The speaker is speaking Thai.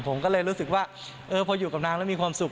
ผมก็เลยรู้สึกว่าพออยู่กับนางแล้วมีความสุข